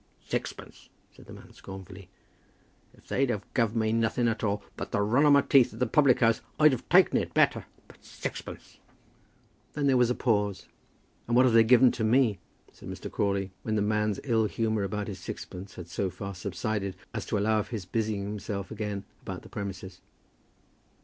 "Sixpence!" said the man, scornfully. "If they'd have guv me nothing at all but the run of my teeth at the public house, I'd 've taken it better. But sixpence!" Then there was a pause. "And what have they given to me?" said Mr. Crawley, when the man's ill humour about his sixpence had so far subsided as to allow of his busying himself again about the premises.